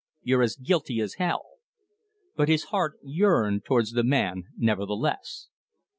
You're as guilty as hell!" But his heart yearned towards the man nevertheless.